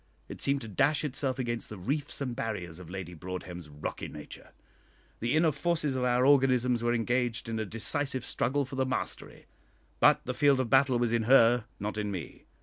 It seemed to dash itself upon the reefs and barriers of Lady Broadhem's rocky nature; the inner forces of our organisms were engaged in a decisive struggle for the mastery; but the field of battle was in her, not in me.